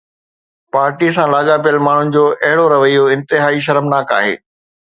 party سان لاڳاپيل ماڻهن جو اهڙو رويو انتهائي شرمناڪ آهي